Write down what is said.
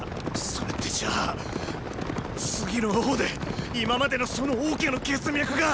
それってじゃあ次の王で今までの楚の王家の血脈が！